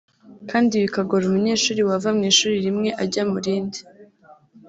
kandi bikagora umunyeshuri wava mu ishuri rimwe ajya mu rindi